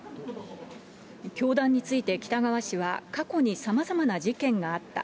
教団について北側氏は、過去にさまざまな事件があった。